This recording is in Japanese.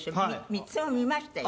３つとも見ましたよ。